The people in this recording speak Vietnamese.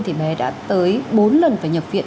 thì bé đã tới bốn lần phải nhập viện